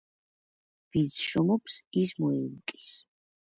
ვინც შრომობს, ის მოიმკის.